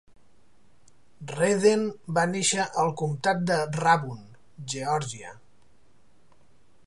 Redden va néixer al comtat de Rabun, Geòrgia.